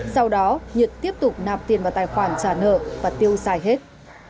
sau đó nhật tiếp tục nạp tiền vào tài khoản trả nợ và tiêu xài hết